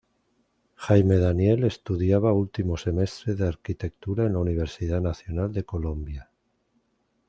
Jaime Daniel estudiaba último semestre de Arquitectura en la Universidad Nacional de Colombia.